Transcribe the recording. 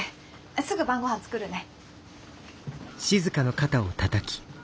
すぐ晩ご飯作るね。